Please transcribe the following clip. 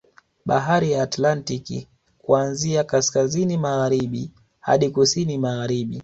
Bahari ya Atlantik kuanzia kaskazini magharibi hadi kusini magaharibi